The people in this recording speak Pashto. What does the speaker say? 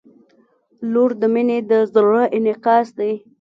• لور د مینې د زړه انعکاس دی.